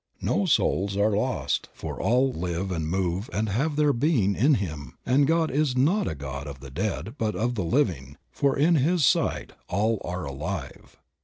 No souls are lost, for all "Live and move and have their being in Him" and "God is not a God of the dead but of the living, for in His sight all are alive."